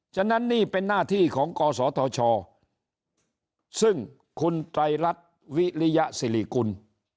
ฉะนั้นนี่เป็นหน้าที่ของกศธชซึ่งคุณไตรรัฐวิริยสิริกุล